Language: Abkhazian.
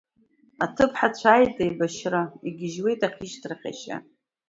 Аҭыԥҳацәа ааит еибашьра, Игьежьуеит ахьышьҭрахь ашьа!